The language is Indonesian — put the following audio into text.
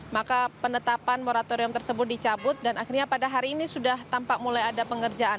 maka penetapan moratorium tersebut dicabut dan akhirnya pada hari ini sudah tampak mulai ada pengerjaan